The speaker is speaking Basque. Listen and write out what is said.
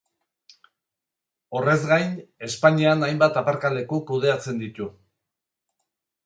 Horrez gain, Espainian hainbat aparkaleku kudeatzen ditu.